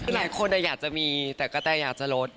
คือหลายคนอยากจะมีแต่กะแตอยากจะลด